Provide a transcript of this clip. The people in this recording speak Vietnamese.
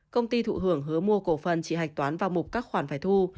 công ty thụ hưởng hứa mua cổ phần chỉ hạch toán vào mục các khoản phải thu